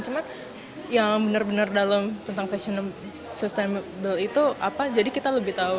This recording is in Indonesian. cuma yang benar benar dalam tentang fashion sustainable itu apa jadi kita lebih tahu